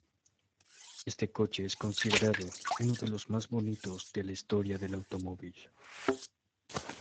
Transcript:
Este coche es considerado uno de los más bonitos de la historia del automóvil.